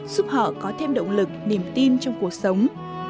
giúp họ có thêm động lực niềm tin trong cuộc sống